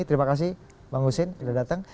terima kasih bang husin sudah datang